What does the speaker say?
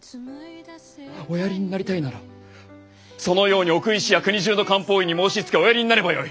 おやりになりたいならそのように奥医師や国中の漢方医に申しつけおやりになればよい。